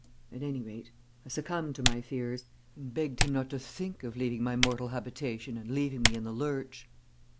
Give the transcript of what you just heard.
At any rate, I succumbed to my fears, and begged him not to think of departing from my mortal habitation and leaving me in the lurch.